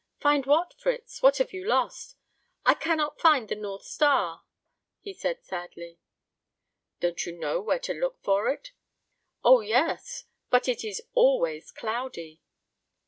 "Find what, Fritz? What have you lost?" "I cannot find the North Star," he said, sadly. "Don't you know where to look for it?" "Oh, yes; but it is always cloudy."